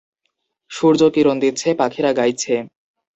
সূর্য কিরণ দিচ্ছে, পাখিরা গাইছে।